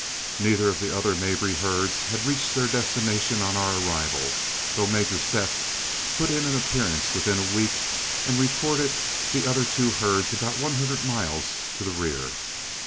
Neither of the other Mabry herds had reached their destination on our arrival, though Major Seth put in an appearance within a week and reported the other two about one hundred miles to the rear.